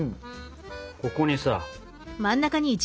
ここにさ。